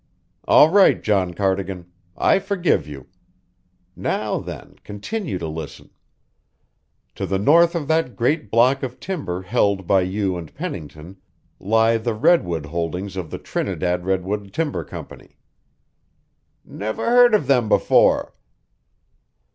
"All right, John Cardigan. I forgive you. Now, then, continue to listen: to the north of that great block of timber held by you and Pennington lie the redwood holdings of the Trinidad Redwood Timber Company." "Never heard of them before."